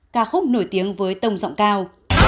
cà khúc nổi tiếng với tông giọng cao